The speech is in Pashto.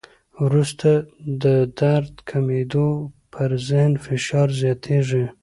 وروسته د درد کمېدو، پر ذهن فشار زیاتېږي.